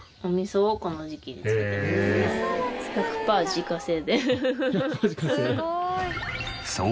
１００パー自家製？